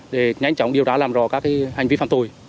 để nhanh chóng điều tra làm rõ các hành vi phạm tội